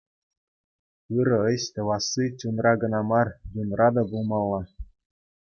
Ырӑ ӗҫ тӑвасси чунра кӑна мар, юнра та пулмалла.